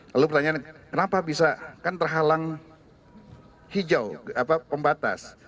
lalu pertanyaannya kenapa bisa kan terhalang hijau pembatas